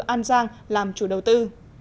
an giang làm chủ đầu tư